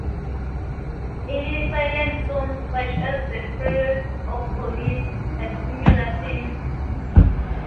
Early silent films, such as "The Perils of Pauline" had similar themes.